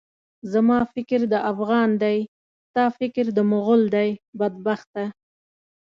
زما فکر د افغان دی، ستا فکر د مُغل دی، بدبخته!